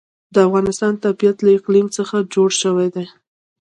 د افغانستان طبیعت له اقلیم څخه جوړ شوی دی.